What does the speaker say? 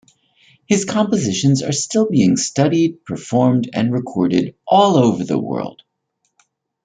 His compositions are still being studied, performed and recorded all over the world.